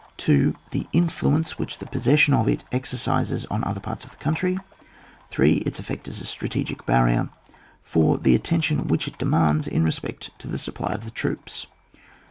2. The influence which the possession of it exercises on other parts of the coimtry. 3. Its effect as a strategic barrier. 4. The attention which it demands in respect to the supply of the troops.